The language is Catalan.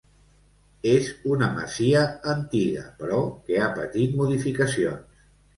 És una masia antiga però que ha patit modificacions.